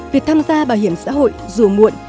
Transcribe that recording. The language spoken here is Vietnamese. việc tham gia bảo hiểm xã hội dù muộn